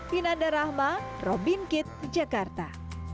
binanda rahma robin kit jakarta